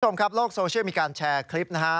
คุณผู้ชมครับโลกโซเชียลมีการแชร์คลิปนะฮะ